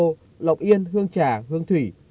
hương đô lộc yên hương trà hương thủy